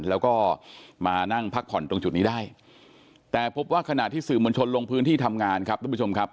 แล้วก็มานั่งพักผ่อนตรงจุดนี้ได้แต่พบว่าขณะที่สื่อมวลชนลงพื้นที่ทำงานครับทุกผู้ชมครับ